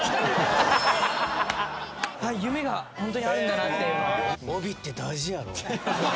「夢がホントにあるんだなっていうのは」